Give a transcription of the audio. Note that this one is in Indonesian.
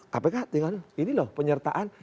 kpk dengan ini loh penyertaan